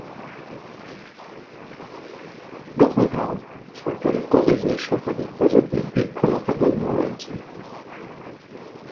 গফরগাঁও সরকারি কলেজে শতাধিক প্রজাতির বৃক্ষ লতা গুল্ম রয়েছে।